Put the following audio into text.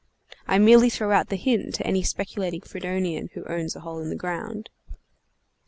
I merely throw out the hint to any speculating Fredonian who owns a hole in the ground.